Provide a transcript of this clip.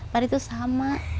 fahri tuh sama